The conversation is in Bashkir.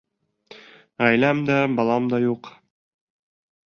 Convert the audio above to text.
Ғаиләм дә, балам да юҡ.